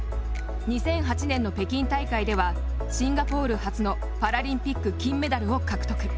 ２００８年の北京大会ではシンガポール初のパラリンピック金メダルを獲得。